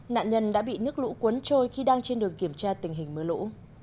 nạn nhân đã bị nước lũ cuốn trôi khi đang trên đường kiểm tra tình hình mưa lũ